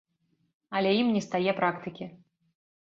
Але ім нестае практыкі.